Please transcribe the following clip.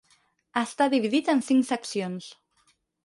Està dividit en cinc seccions.